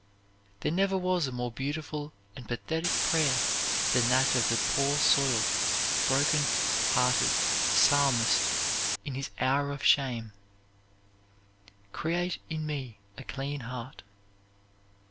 There never was a more beautiful and pathetic prayer than that of the poor soiled, broken hearted Psalmist in his hour of shame, "Create in me a clean heart."